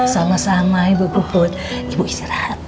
sama sama ibu put ibu istirahat